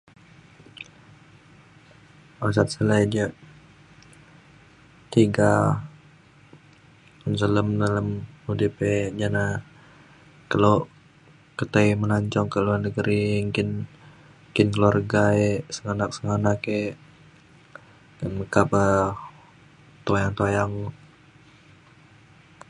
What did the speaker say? Masat selai jak tiga un selem dalem udip e ja na kelo ke tai melancong ke luar negeri nggin nggin keluarga e sengganak sengganak e meka pa tuyang tuyang